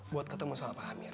buat ketemu sama pak amir